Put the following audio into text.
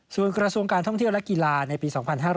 ส่วนกระทรวงการท่องเที่ยวและกีฬาในปี๒๕๕๙